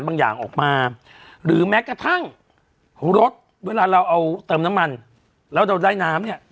เราอาจจะรู้สึกอย่างนั้นว่ามันอันตรายไง